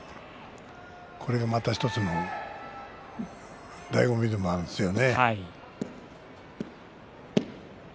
これがまた１つのだいご味でもあるんですよね。